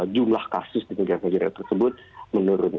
jumlah kasus di negara negara tersebut menurun